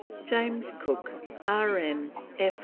JAMES COOK, R.N., F.